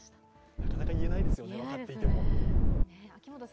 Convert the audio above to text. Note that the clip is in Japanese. なかなか言えないですよね、分かっていても。